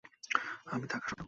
আমি থাকা সত্বেও।